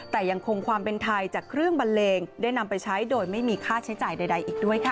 แต่ยังคงความเป็นไทยจากเครื่องบันเลงได้นำไปใช้โดยไม่มีค่าใช้จ่ายใดอีกด้วยค่ะ